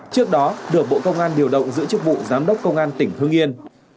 trước đó được bộ công an điều động giữ chức vụ giám đốc công an tỉnh hương yên